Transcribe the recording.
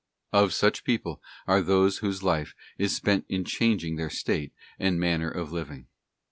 Of such people are those whose life is spent in changing their state and manner of living.